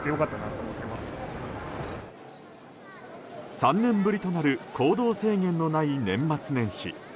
３年ぶりとなる行動制限のない年末年始。